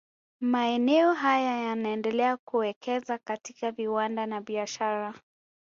Maeneo haya yanaendelea kuwekeza katika viwanda na biashara